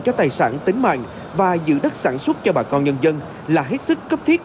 cho tài sản tính mạng và giữ đất sản xuất cho bà con nhân dân là hết sức cấp thiết